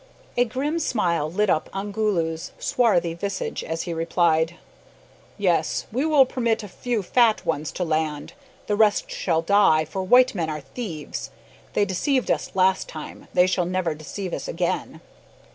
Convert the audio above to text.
A grim smile lit up Ongoloo's swarthy visage as he replied "Yes, we will permit a few fat ones to land. The rest shall die, for white men are thieves. They deceived us last time. They shall never deceive us again."